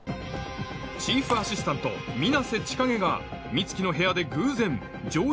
チーフアシスタント水瀬千景が美月の部屋で偶然丈一郎の記事を発見